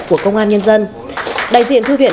của công an nhân dân đại diện thư viện